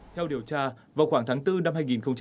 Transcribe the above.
theo điều tra vào khoảng tháng bốn năm hai nghìn một mươi chín